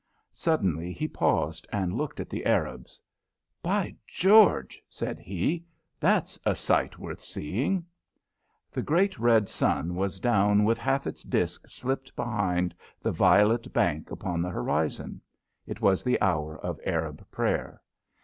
Suddenly he paused and looked at the Arabs. "By George!" said he, "that's a sight worth seeing!" [Illustration: Hour of Arab prayer p142] The great red sun was down with half its disc slipped behind the violet bank upon the horizon. It was the hour of Arab prayer.